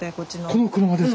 この車ですか？